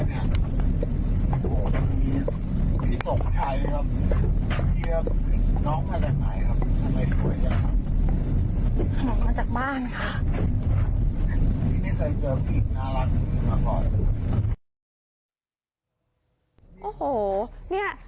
สวัสดีครับพี่